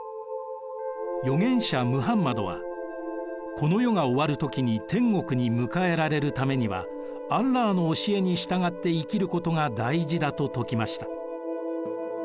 預言者ムハンマドはこの世が終わる時に天国に迎えられるためにはアッラーの教えに従って生きることが大事だと説きました。